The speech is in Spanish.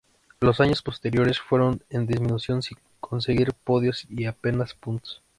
Los años posteriores, fueron en disminución sin conseguir podios y apenas puntos.